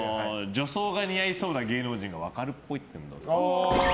女装が似合いそうな芸能人が分かるっぽい。